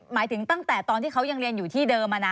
หมายถึงตั้งแต่ตอนที่เขายังเรียนอยู่ที่เดิม